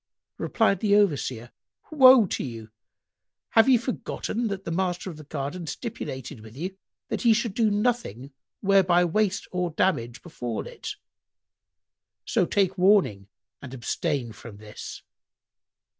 Replied the Overseer, "Woe to you! Have ye forgotten that the master of the garden stipulated with you that ye should do nothing whereby waste or damage befal it: so take warning and abstain from this."